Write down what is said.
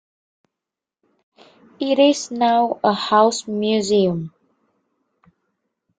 It is now a house museum.